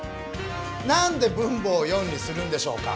なんで分母を４にするんでしょうか？